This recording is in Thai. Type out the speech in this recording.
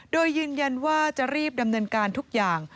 โดยยืนยันว่าจะรีบดำเนินการทุกอย่าง